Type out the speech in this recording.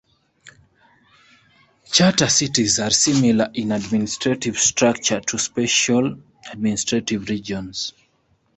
Charter cities are similar in administrative structure to special administrative regions.